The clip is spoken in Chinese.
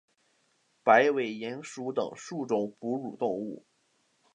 白尾鼹属等之数种哺乳动物。